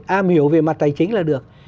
am hiểu về mặt tài chính là được